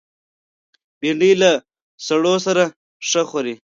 بېنډۍ له سړو سره ښه خوري